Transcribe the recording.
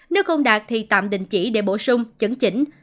nếu không đạt thì tạm đình chỉ để bổ sung chấn chỉnh